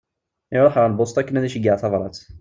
Iruḥ ɣer lbuṣta akken ad iceyyeε tabrat.